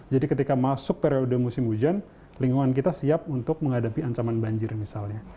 jadi ketika masuk periode musim hujan lingkungan kita siap untuk menghadapi ancaman banjir misalnya